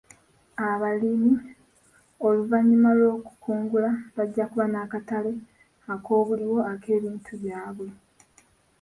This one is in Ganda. Abalima oluvannyuma lw'okukungula bajja kuba n'akatale ak'obuliwo ak'ebintu byabwe.